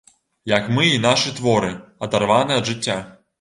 Як мы і нашы творы адарваны ад жыцця!